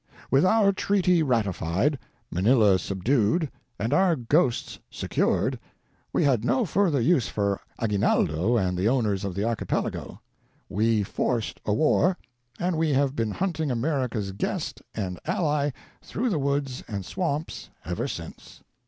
"With our Treaty ratified, Manila subdued, and our Ghosts secured, we had no further use for Aguinaldo and the owners of the Archipelago. We forced a war, and we have been hunting America's guest and ally through the woods and swamps ever since."